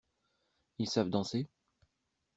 Ils savent danser?